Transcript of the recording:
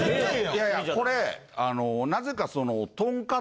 いやいやこれなぜか。